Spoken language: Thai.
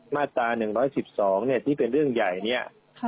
มาตร๑๑๒นี่เป็นเรื่องใหญ่